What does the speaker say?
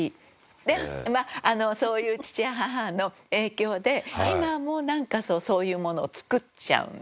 でそういう父母の影響で今もなんかそういうものを作っちゃうんですよね